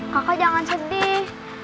kakak jangan sedih